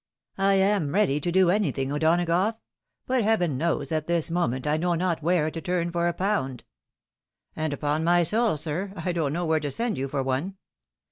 " I am ready to do anything, O'Donagough ! But Heaven knows at this moment I know not where to turn for a pound." " And upon my soul, sir, I don't know where to send you for one.